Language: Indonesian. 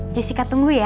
jessica tunggu ya